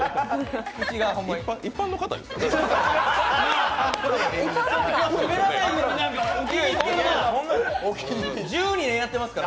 一般の方ですか？